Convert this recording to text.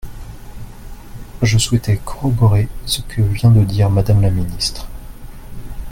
Je souhaitais corroborer ce que vient de dire Madame la ministre.